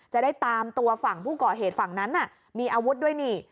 จะได้ตามตัวฝั่งผู้ก่อเหตุฝั่งนั้นมีอาวุธด้วยนี่